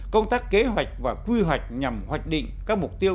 công tác kế hoạch và quy hoạch nhằm hoạch định các mục tiêu